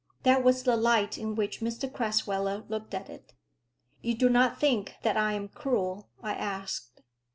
That was the light in which Mr Crasweller looked at it. "You do not think that I am cruel?" I asked.